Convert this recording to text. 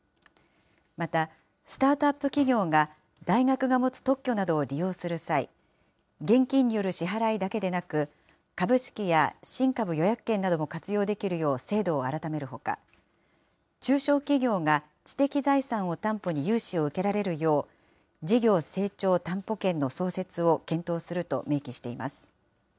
また、スタートアップ企業が、大学が持つ特許などを利用する際、現金による支払いだけでなく、株式や新株予約権なども活用できるよう制度を改めるほか、中小企業が知的財産を担保に融資を受けられるよう、事業成長担保権の創設を検討すると明記しています。